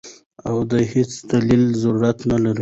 او د هېڅ دليل ضرورت نۀ لري -